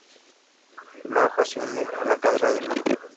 La hoja se une a la cabeza del mango.